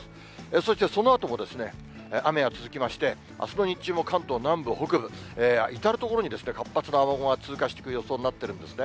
そしてそのあとも、雨が続きまして、あすの日中も、関東南部、北部、至る所に活発な雨雲が通過していく予想になってるんですね。